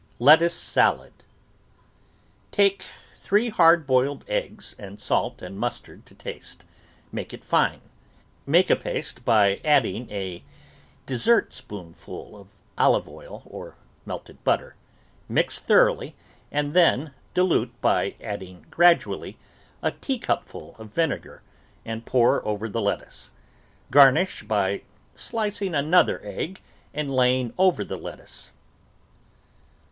LETTUCE SALAD Take three hard boiled eggs and salt and mus tard to taste, make it fine ; make a paste by adding a dessertspoonful of olive oil or melted butter; mix thoroughly, and then dilute by adding gradu ally a teacupful of vinegar, and pour over the let tuce. Garnish by slicing another egg and laying over the lettuce.